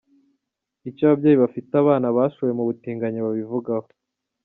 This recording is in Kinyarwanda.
Icyo ababyeyi bafite abana bashowe mu butinganyi babivugaho.